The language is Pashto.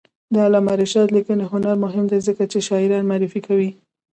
د علامه رشاد لیکنی هنر مهم دی ځکه چې شاعران معرفي کوي.